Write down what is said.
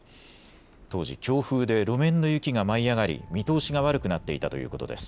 当時、強風で路面の雪が舞い上がり、見通しが悪くなっていたということです。